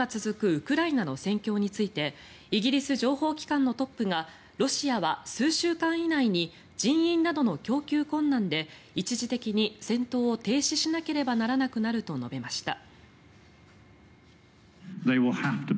ウクライナの戦況についてイギリス情報機関のトップがロシアは数週間以内に人員などの供給困難で一時的に戦闘を停止しなければならなくなると述べました。